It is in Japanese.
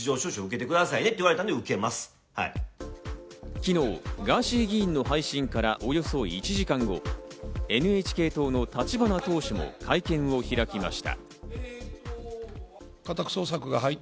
昨日、ガーシー議員の配信からおよそ１時間後、ＮＨＫ党の立花党首も会見を開きました。